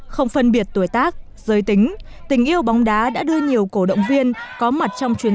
không phân biệt tuổi tác giới tính tình yêu bóng đá đã đưa nhiều cổ động viên có mặt trong chuyến